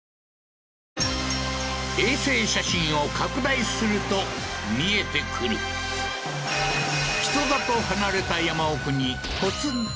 衛星写真を拡大すると見えてくる人里離れた